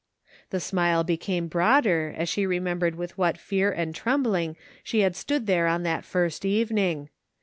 The smile became broader as she remembered with what fear and trembling she had stood there on that first evening.